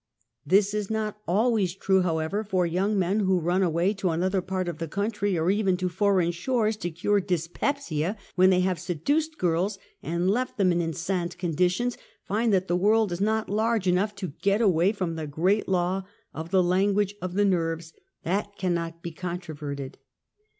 This is not always true however, for young men who run away to another part of the country, or even to foreign shores, to cure dyspepsia when they have seduced girls and left them in enceinte conditions, find that the world is not large enough to get awaj^from the great law of the language of the nerves that cannot be controverted.